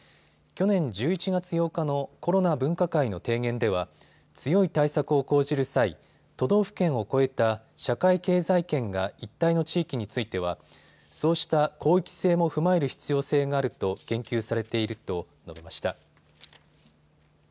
去年１１月８日のコロナ分科会の提言では強い対策を講じる際、都道府県をこえた社会経済圏が一体の地域についてはそうした規制も踏まえる必要性があると言及されていると述べました。